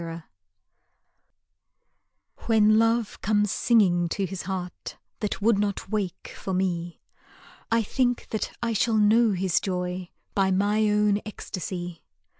Song When Love comes singing to his heart That would not wake for me, I think that I shall know his joy By my own ecstasy.